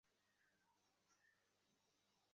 তবু ইহাতে তো কিছু ছিল।